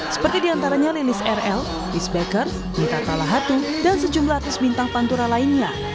seperti diantaranya lilis rl isbeker mitakala hatung dan sejumlah artis bintang pantura lainnya